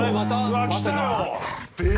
うわっ来たよ！